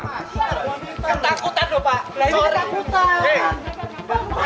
ketakutan lho pak keren